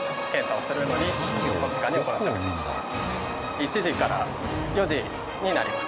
１時から４時になります。